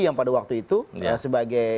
yang pada waktu itu sebagai